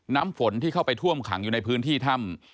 น้ำฝนที่เข้าไปท่วมขังอยู่ในพื้นที่ถ้ำ